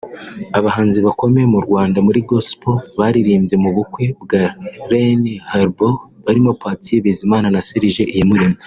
Abahanzi bakomeye mu Rwanda muri gospel baririmbye mu bukwe bwa René Hubert barimo Patient Bizimana na Serge Iyamuremye